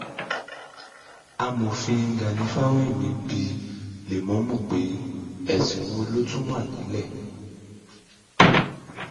Amòfin Gàní Fáwẹ̀hìnmi ń bi Lèmọ́mù pé ẹ̀sún wo ló tún wà nílẹ̀.